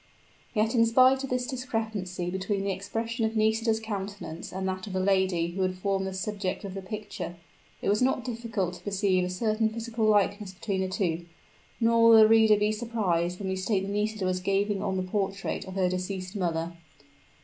Yet, in spite of this discrepancy between the expression of Nisida's countenance and that of the lady who had formed the subject of the picture, it was not difficult to perceive a certain physical likeness between the two; nor will the reader be surprised when we state that Nisida was gazing on the portrait of her deceased mother.